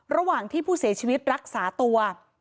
ระหว่างที่ผู้เสียชีวิตรักษาตัว